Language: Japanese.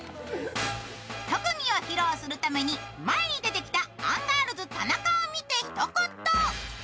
特技を披露するために前に出てきたアンガールズ・田中を見てひと言。